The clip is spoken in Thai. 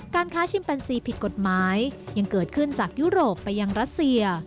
ค้าชิมแปนซีผิดกฎหมายยังเกิดขึ้นจากยุโรปไปยังรัสเซีย